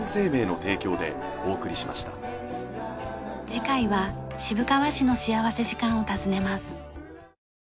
次回は渋川市の幸福時間を訪ねます。